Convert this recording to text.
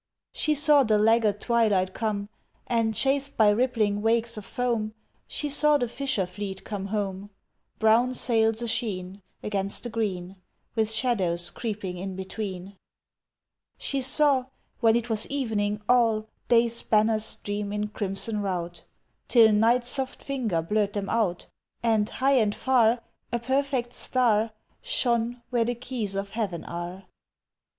She saw the laggard twilight come And, chased by rippling wakes of foam, She saw the fisher fleet come home Brown sails a sheen Against the green With shadows creeping in between! She saw, when it was evening, all Day's banners stream in crimson rout Till night's soft finger blurred them out, And, high and far, A perfect star Shone where the keys of heaven are!